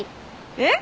えっ？